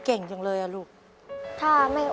ขอต้อนรับครอบครัวน้องต้นไม้